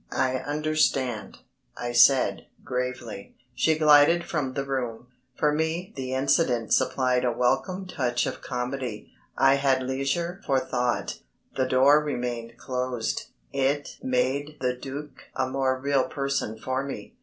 "I understand," I said, gravely. She glided from the room. For me the incident supplied a welcome touch of comedy. I had leisure for thought. The door remained closed. It made the Duc a more real person for me.